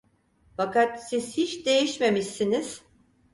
Fakat siz hiç değişmemişsiniz!